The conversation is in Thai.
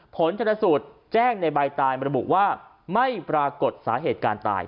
ผลชนสูตรแจ้งในใบตายระบุว่าไม่ปรากฏสาเหตุการตาย